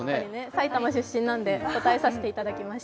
埼玉出身なので、答えさせていただきました。